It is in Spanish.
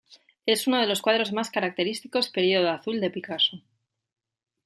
Es uno de los cuadros más característicos Período azul de Picasso.